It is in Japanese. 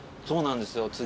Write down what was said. そうなんですよ